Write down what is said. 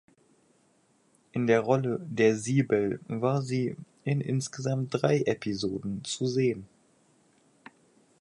In der Rolle der "Sibel" war sie in insgesamt drei Episoden zu sehen.